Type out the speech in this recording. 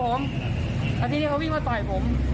ต่อยโดนไหมต้องมีครับต้องมีแต่ผมไว้บอกกับน้องเขาต่อย